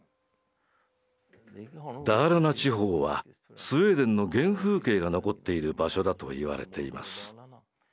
ダーラナ地方はスウェーデンの原風景が残っている場所だと言われています。